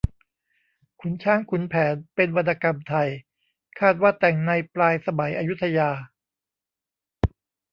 ขุนช้างขุนแผนเป็นวรรณกรรมไทย คาดว่าแต่งในปลายสมัยอยุธยา